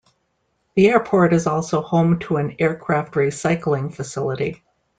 The airport is also home to an aircraft recycling facility.